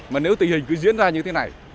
mà nếu tình hình cứ diễn ra như thế này